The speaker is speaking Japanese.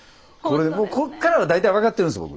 こっからは大体分かってるんです僕。